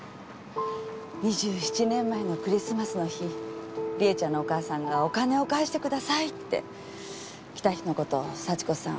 ２７年前のクリスマスの日理恵ちゃんのお母さんが「お金を返してください！」って来た日の事幸子さん